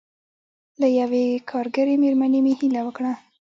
له یوې کارګرې مېرمنې مې هیله وکړه.